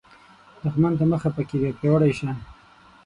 دښمن ته مه خفه کیږه، پیاوړی شه